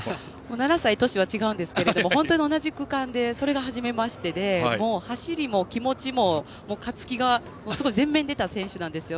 ７歳、年は違いますが本当に同じ区間でそれがはじめましてで走りも気持ちも勝つ気がすごい前面に出た選手なんですよ。